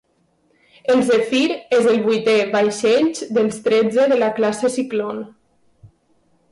El "Zephyr" és el vuitè vaixells dels tretze de la classe "Cyclone".